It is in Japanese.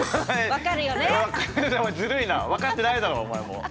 わかってないだろお前も！